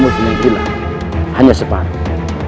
kerajaanmu sementara hanya separuh